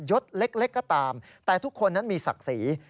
ศเล็กก็ตามแต่ทุกคนนั้นมีศักดิ์ศรี